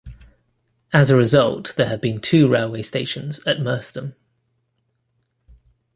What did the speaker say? As a result, there have been two railway stations at Merstham.